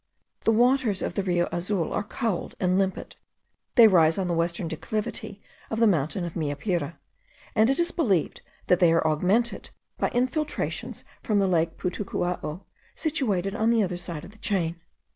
The waters of the Rio Azul are cold and limpid; they rise on the western declivity of the mountain of Meapire, and it is believed that they are augmented by infiltrations from the lake Putacuao, situated on the other side of the chain.